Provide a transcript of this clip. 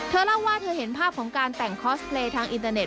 เล่าว่าเธอเห็นภาพของการแต่งคอสเพลย์ทางอินเตอร์เน็